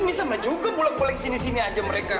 bisa juga pulang pulang sini sini aja mereka